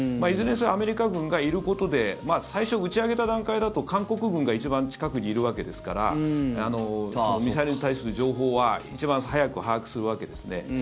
いずれにせよアメリカ軍がいることで最初、打ち上げた段階だと韓国軍が一番近くにいるわけですからミサイルに対する情報は一番早く把握するわけですね。